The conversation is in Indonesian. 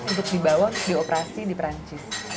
untuk dibawa di operasi di perancis